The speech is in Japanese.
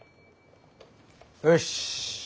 よし。